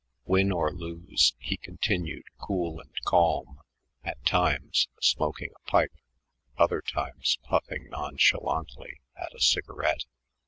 Win or lose, he continued cool and calm, at times smoking a pipe, other times puffing nonchalantly at a cigarette.